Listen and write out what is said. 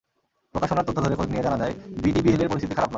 প্রকাশনার তথ্য ধরে খোঁজ নিয়ে জানা যায়, বিডিবিএলের পরিস্থিতি খারাপ নয়।